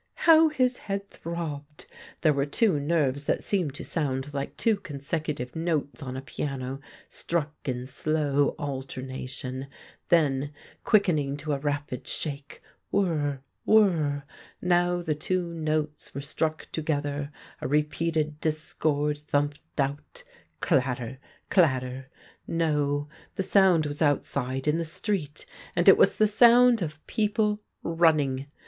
How his head throbbed ! There were two nerves that seemed to sound hke two consecutive notes on a piano, struck in slow alterna tion, then quickening to a rapid shake — whirr ! whirr ! Now the two notes were struck together, a re peated discord, thumped out — clatter ! clatter ! No, the sound was outside in the street, and it was the sound of people running.